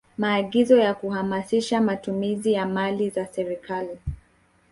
Maagizo ya kuhamasisha matumizi ya mali za serikali